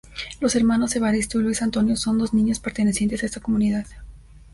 Los hermanos Evaristo y Luis Antonio son dos niños pertenecientes a esta comunidad.